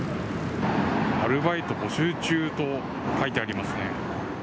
アルバイト募集中と書いてありま